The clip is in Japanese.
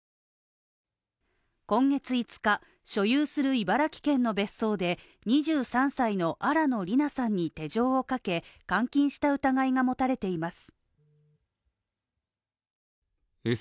今月５日、所有する茨城県の別荘で２３歳の新野りなさんに手錠をかけ、監禁した疑いが持たれています。